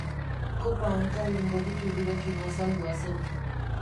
Kopa hankadun gorritu birekin azaldua zen.